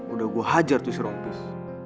udah gue hajar tuh si rompus